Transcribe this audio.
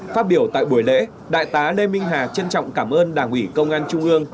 phát biểu tại buổi lễ đại tá lê minh hà trân trọng cảm ơn đảng ủy công an trung ương